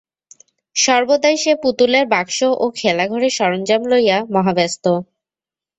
সর্বদাই সে পুতুলের বাক্স ও খেলাঘরের সরঞ্জাম লইয়া মহাব্যস্ত।